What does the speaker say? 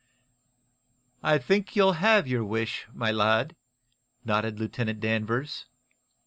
"And I think you'd have your wish, my lad," nodded Lieutenant Danvers.